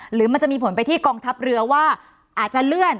หรือมันจะมีผลไปที่กองทัพเรือว่าอาจจะเลื่อน